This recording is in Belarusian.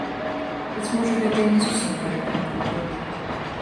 Хоць можа гэта і не зусім карэктны прыклад.